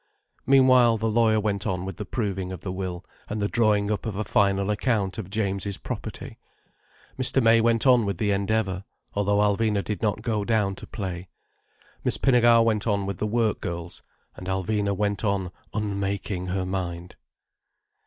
Meanwhile, the lawyer went on with the proving of the will and the drawing up of a final account of James's property; Mr. May went on with the Endeavour, though Alvina did not go down to play; Miss Pinnegar went on with the work girls: and Alvina went on unmaking her mind.